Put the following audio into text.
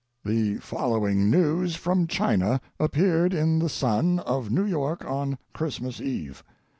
The following news from China appeared in The Sun,, of New York, on Christmas Eve.